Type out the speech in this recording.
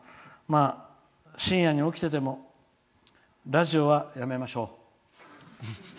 深夜に起きていてもラジオはやめましょう。